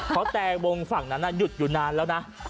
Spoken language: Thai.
เพราะแต่วงฝั่งนั้นหยุดอยู่นานแล้วนะ